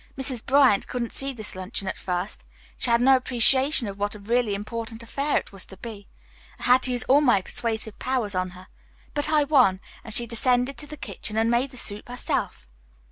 "Mrs. Bryant couldn't see this luncheon at first. She had no appreciation of what a really important affair it was to be. I had to use all my persuasive powers on her. But I won, and she descended to the kitchen and made the soup herself."